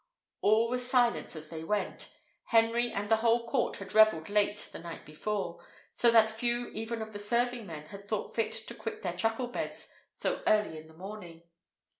All was silence as they went. Henry and the whole court had revelled late the night before, so that few even of the serving men had thought fit to quit their truckle beds so early in the morning.